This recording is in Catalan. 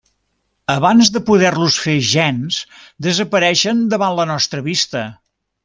Abans de poder-los fer gens, desapareixen davant la nostra vista.